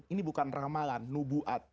ini bukan ramalan nubuat